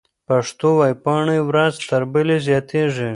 پښتو ويبپاڼې ورځ تر بلې زياتېږي.